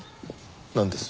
なんです？